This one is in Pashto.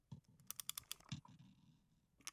زه خوښ یم